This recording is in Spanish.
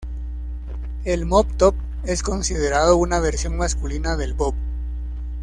El mop-top es considerado una versión masculina del bob.